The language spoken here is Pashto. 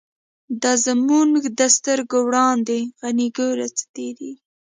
دا زمونږ د سترگو وړاندی «غنی» گوره څه تیریږی